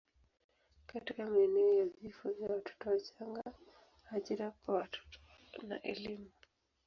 katika maeneo ya vifo vya watoto wachanga, ajira kwa watoto na elimu.